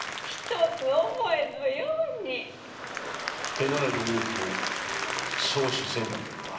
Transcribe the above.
手習いの文句も「笑止千万」だった。